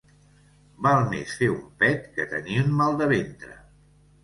Val més fer un pet que tenir un mal de ventre.